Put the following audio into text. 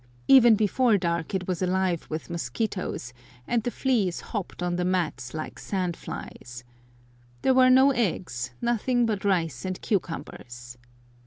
Even before dark it was alive with mosquitoes, and the fleas hopped on the mats like sand flies. There were no eggs, nothing but rice and cucumbers.